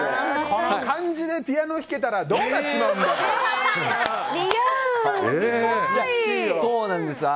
この感じでピアノが弾けたらどうなっちまうんだよ？